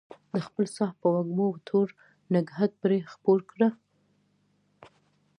د خپل ساه په وږمو تور نګهت پرې خپور کړه